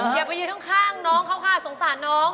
อย่าไปยืนข้างน้องเขาค่ะสงสารน้อง